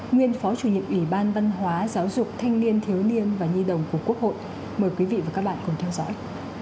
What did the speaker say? nguyên phó chủ nhiệm ủy ban văn hóa giáo dục thanh niên thiếu niên và nhi đồng của quốc hội